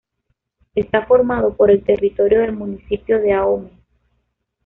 Está formado por el territorio del Municipio de Ahome.